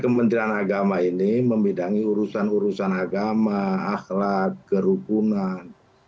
kementerian agama ini membedangi urusan urusan agama akhlak kerupunan